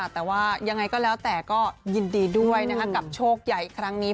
แต่ว่ายังไงก็แล้วแต่ก็ยินดีด้วยกับโชคใหญ่ครั้งนี้